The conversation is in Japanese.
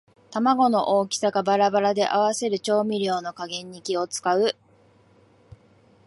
玉子の大きさがバラバラで合わせる調味料の加減に気をつかう